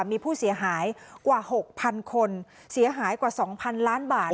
มีผู้เสียหายกว่าหกพันคนเสียหายกว่าสองพันล้านบาท